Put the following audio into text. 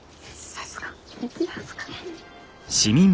さすが。